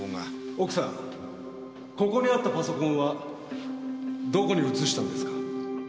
奥さんここにあったパソコンはどこに移したんですか？